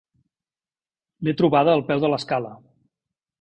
L'he trobada al peu de l'escala.